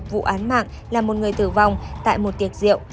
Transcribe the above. vụ án mạng là một người tử vong tại một tiệc rượu